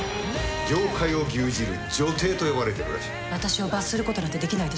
業界を牛耳る女帝と呼ばれているらしい。